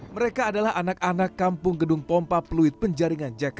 mereka adalah anak anak kampung gedung pompa fluid penjaringan jakarta